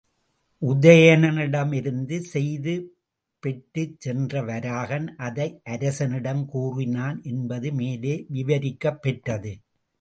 உதயணனிடமிருந்து செய்தி பெற்றுச் சென்ற வராகன் அதை அரசனிடம் கூறினான் என்பது மேலே விவரிக்கப் பெற்றது.